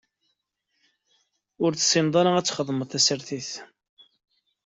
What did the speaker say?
Ur tessineḍ ara ad txedmeḍ tasertit.